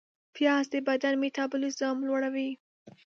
پیاز د بدن میتابولیزم لوړوي